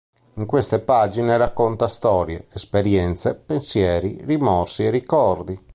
In queste pagine racconta storie, esperienze, pensieri, rimorsi e ricordi.